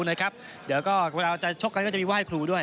เดี๋ยวก็เวลาชกกันก็มีว่ายครูด้วย